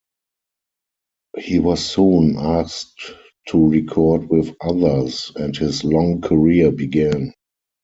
He was soon asked to record with others, and his long career began.